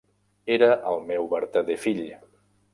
Era el meu vertader fill.